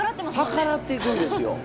逆らっていくんですよ。